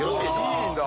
◆いいんだ。